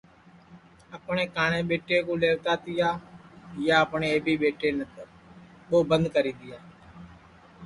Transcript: اپٹؔے کاٹؔے ٻیٹے کُو لئیوتا تیا یا اپٹؔے ائبی ٻیٹے کے نتر ٻو بند کری دؔیا